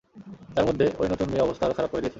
তারমধ্যে ওই নতুন মেয়ে অবস্থা আরো খারাপ করে দিয়েছে!